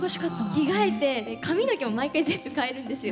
着替えて髪の毛も毎回全部変えるんですよ。